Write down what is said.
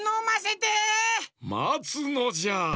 まつのじゃ！